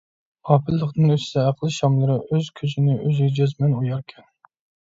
غاپىللىقتىن ئۆچسە ئەقىل شاملىرى، ئۆز كۆزىنى ئۆزى جەزمەن ئوياركەن ...